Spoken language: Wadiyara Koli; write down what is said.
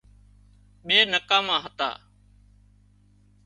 ٻي نڪاما هتا